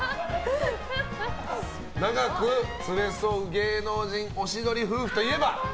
長く連れ添う芸能人おしどり夫婦といえば？